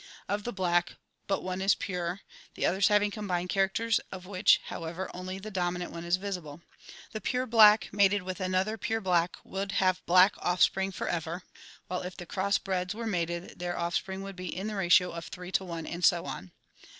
Of the black, but one is pure, the others having combined characters of which, however, only the dominant one is visible. The pure black mated with another pure black would have black offspring forever, while if the cross breds were mated, their offspring would be in the ratio of three to one, and so on.